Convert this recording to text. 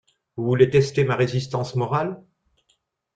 Vous voulez tester ma résistance morale.